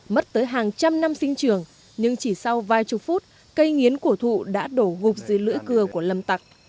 mất tới hàng trăm năm sinh trường nhưng chỉ sau vài chục phút cây nghiến của thụ đã đổ gục dưới lưỡi cưa của lâm tặc